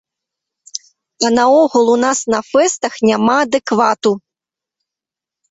А наогул, у нас на фэстах няма адэквату.